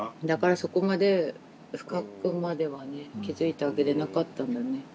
だからそこまで深くまではね気づいてあげれなかったんだね。